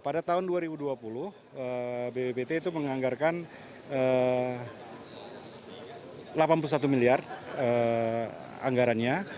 pada tahun dua ribu dua puluh bppt itu menganggarkan delapan puluh satu miliar anggarannya